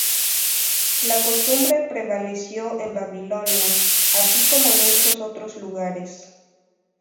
La costumbre prevaleció en Babilonia, así como en muchos otros lugares.